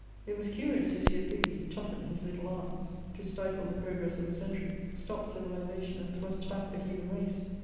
It was curious to see a pygmy "toughen his little arms" to stifle the progress of a century, stop civilization, and thrust back the human race!